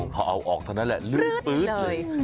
พอเอาออกเท่านั้นแหละลื่นปื๊ดเลย